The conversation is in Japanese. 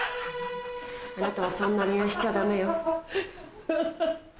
あなたはそんな恋愛しちゃダメよ。